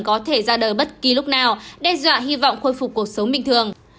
có thể ra đời bất kỳ lúc nào đe dọa hy vọng khôi phục cuộc sống bình thường